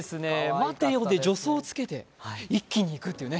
待てよで助走をつけて一気にいくっていうね。